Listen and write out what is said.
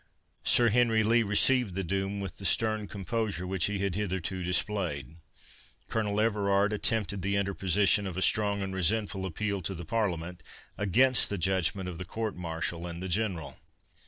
Sir Henry Lee received the doom with the stern composure which he had hitherto displayed. Colonel Everard attempted the interposition of a strong and resentful appeal to the Parliament, against the judgment of the court martial and the General.